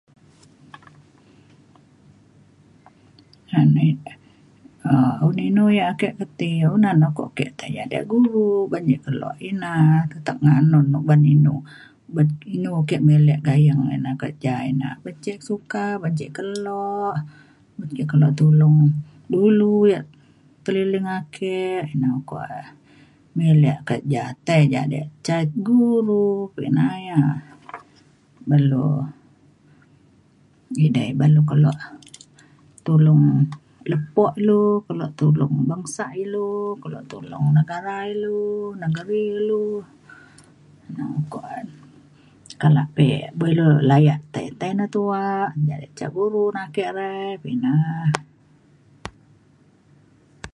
[unintelligible] [um]Un Inu yak ake kak ti u anak ake tai jade guru. uban ia Kelo ina tetap ngan anun e uban inu b- inu ake milek gayeng ina kerja ina. Uban cek suka uban cek kelo yak ake tulung dulu yak teliling ake. no oko milek kerja tai jadi ca guru pina yak belo jidai oban le kelo tulung lepo lu, kelo tulung bangsa ilu, kelo tulung negara ilu, negeri ilu. no oko Kalak pe bo le layak tai, tai ne tuwak jadi ca guru na ake re. pina